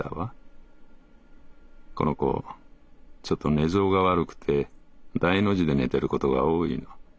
この子ちょっと寝相が悪くて『大』の字で寝てることが多いの。